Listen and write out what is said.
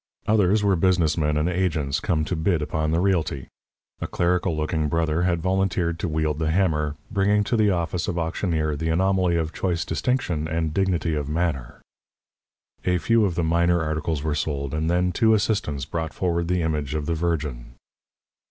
Others were business men and agents come to bid upon the realty. A clerical looking brother had volunteered to wield the hammer, bringing to the office of auctioneer the anomaly of choice diction and dignity of manner. A few of the minor articles were sold, and then two assistants brought forward the image of the Virgin.